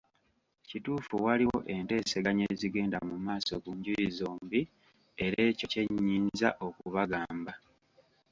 Kituufu waliwo enteeseganya ezigenda mu maaso ku njuyi zombi era ekyo kyennyinza okubagamba.